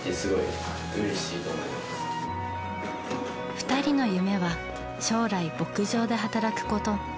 ２人の夢は将来牧場で働くこと。